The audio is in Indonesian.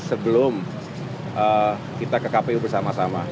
sebelum kita ke kpu bersama sama